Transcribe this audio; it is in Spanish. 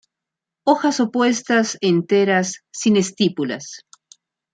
Hojas opuestas, enteras, sin estípulas.